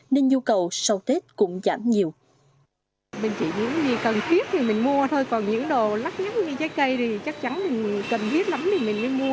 nên nhu cầu sau tết cũng giảm nhiều